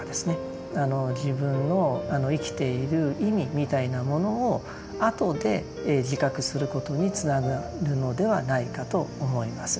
自分の生きている意味みたいなものを後で自覚することにつながるのではないかと思います。